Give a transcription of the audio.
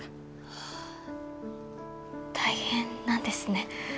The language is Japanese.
ああ大変なんですね。